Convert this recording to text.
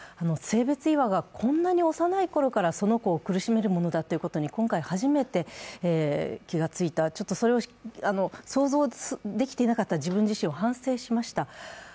性別違和がこんなに幼いころからその子を苦しめるものだということに今回、初めて気がついた、想像できていなかった自分自身を反省しました。